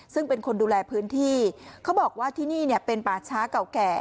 ซึ่งเป็นคนดูแลพื้นที่เขาบอกว่าที่นี่เนี่ยเป็นป่าช้าเก่าแก่